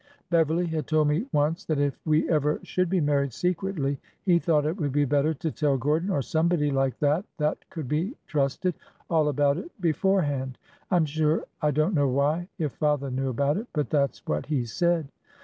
Beverly had told me once that if we ever should be married secretly he thought it would be better to tell Gordon, or somebody like that that could be trusted, all about it beforehand. I 'm sure I don't know why, if father knew about it — but that 's what he said."